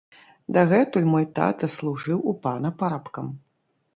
Дагэтуль мой тата служыў у пана парабкам.